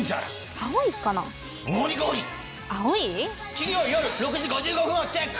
金曜よる６時５５分をチェック。